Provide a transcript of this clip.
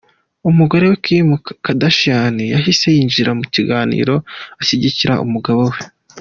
Umugore we, Kim Kardashian yahise yinjira mu kiganiro ashyigikira umugabo we.